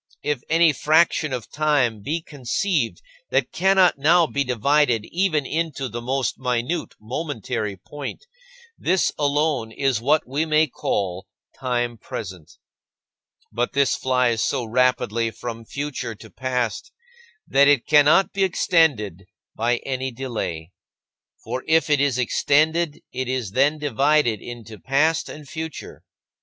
If any fraction of time be conceived that cannot now be divided even into the most minute momentary point, this alone is what we may call time present. But this flies so rapidly from future to past that it cannot be extended by any delay. For if it is extended, it is then divided into past and future.